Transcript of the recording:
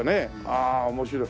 ああ面白い。